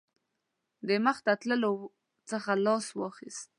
د مخته تللو څخه لاس واخیست.